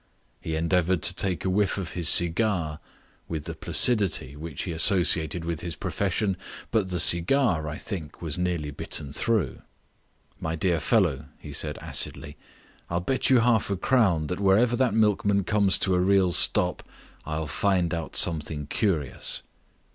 He endeavoured to take a whiff of his cigar, with the placidity which he associated with his profession, but the cigar, I think, was nearly bitten through. "My dear fellow," he said acidly, "I'll bet you half a crown that wherever that milkman comes to a real stop I'll find out something curious."